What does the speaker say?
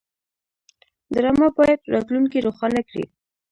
ډرامه باید راتلونکی روښانه کړي